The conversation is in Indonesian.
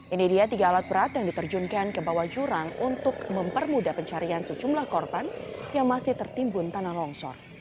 ini dia tiga alat berat yang diterjunkan ke bawah jurang untuk mempermudah pencarian sejumlah korban yang masih tertimbun tanah longsor